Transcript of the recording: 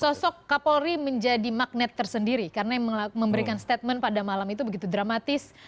sosok kapolri menjadi magnet tersendiri karena yang memberikan statement pada malam itu begitu dramatis